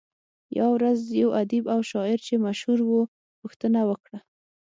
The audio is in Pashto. يوه ورځ يو ادیب او شاعر چې مشهور وو پوښتنه وکړه.